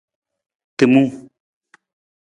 Timung.